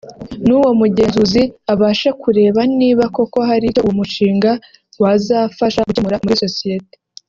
nuwo mugenzuzi abashe kureba niba koko hari icyo uwo mushinga wazafasha gukemura muri sosiyete